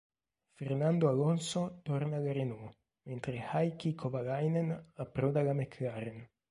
Fernando Alonso torna alla Renault mentre Heikki Kovalainen approda alla McLaren.